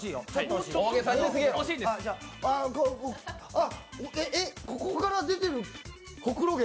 あっ、えっ、ここから出てるほくろ毛